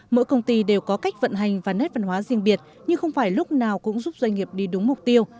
mỗi công ty đều có cách vận hành và nét văn hóa riêng biệt nhưng không phải lúc nào cũng giúp doanh nghiệp đi đúng mục tiêu